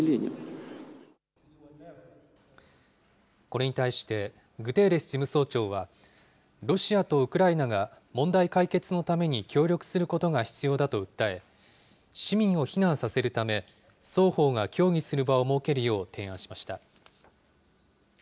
これに対して、グテーレス事務総長は、ロシアとウクライナが問題解決のために協力することが必要だと訴え、市民を避難させるため、双方が協議する場を設けるよう提案しました。